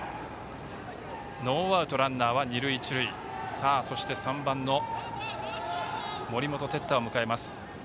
ノーアウトランナー、二塁一塁で３番の森本哲太を迎えます。